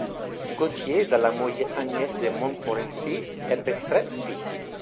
Gauthier dalla moglie Agnès de Montmorency ebbe tre figli.